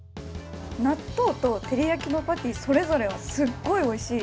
納豆とてりやきのパティ、それぞれはすっごいおいしい。